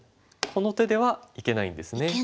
この手ではいけないんですね。